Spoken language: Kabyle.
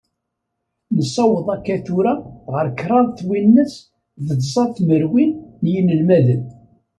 Nessaweḍ akka tura ɣar kraḍ twinas d tẓa tmerwin n yinelmaden.